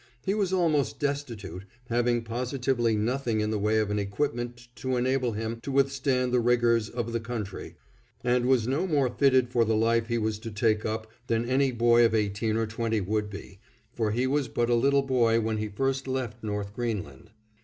He was almost destitute, having positively nothing in the way of an equipment to enable him to withstand the rigors of the country, and was no more fitted for the life he was to take up than any boy of eighteen or twenty would be, for he was but a little boy when he first left North Greenland.